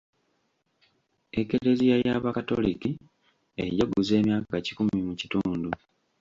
Ekereziya y'Abakatoliki ejaguza emyaka kikumi mu kitundu.